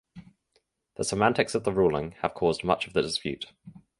The semantics of the ruling have caused much of the dispute.